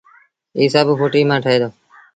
ايٚ سڀ ڦُٽيٚ مآݩ ٺهي دو